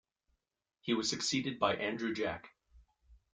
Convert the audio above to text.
He was succeeded by Andrew Jack.